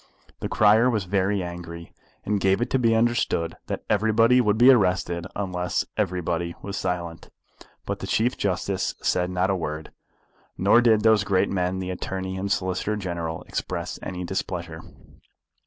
The crier was very angry, and gave it to be understood that everybody would be arrested unless everybody was silent; but the Chief Justice said not a word, nor did those great men the Attorney and Solicitor General express any displeasure.